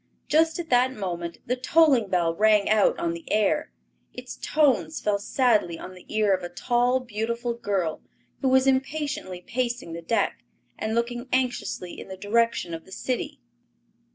Just at that moment the tolling bell rang out on the air. Its tones fell sadly on the ear of a tall, beautiful girl, who was impatiently pacing the deck, and looking anxiously in the direction of the city.